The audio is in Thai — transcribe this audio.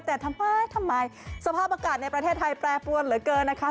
แต่ทำไมทำไมสภาพอากาศในประเทศไทยแปรปรวนเหลือเกินนะคะ